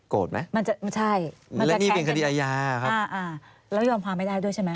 โกรธไหมและนี่เป็นคดีอายาครับใช่แล้วยอมฟังไปได้ด้วยใช่ไหม